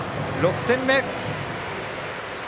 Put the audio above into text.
６点目。